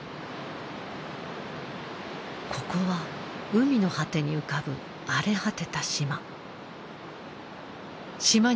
ここは海の果てに浮かぶ荒れ果てた島。